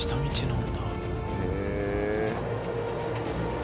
へえ。